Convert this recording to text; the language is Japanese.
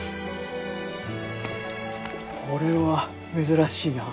これは珍しいな。